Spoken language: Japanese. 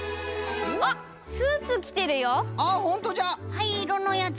はいいろのやつ？